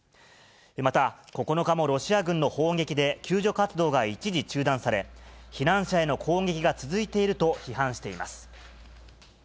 また、９日もロシア軍の砲撃で救助活動が一時中断され、避難者への攻撃が続いていると批判しています。